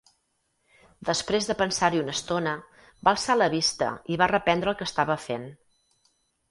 Després de pensar-hi una estona, va alçar la vista i va reprendre el que estava fent.